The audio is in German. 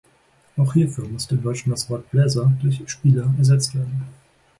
Auch hierfür müsste im Deutschen das Wort „Bläser“ durch „Spieler“ ersetzt werden.